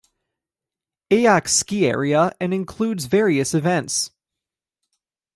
Eyak ski area and includes various events.